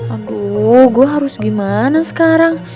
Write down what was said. aduh gue harus gimana sekarang